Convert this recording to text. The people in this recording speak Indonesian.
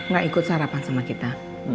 gak ikut sarapan sama kita